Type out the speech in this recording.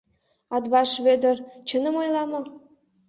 Атбаш Вӧдыр чыным ойла мо?